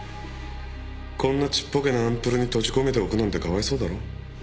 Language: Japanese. こんなちっぽけなアンプルに閉じ込めておくなんてかわいそうだろ？